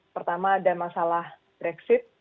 pertama ada masalah brexit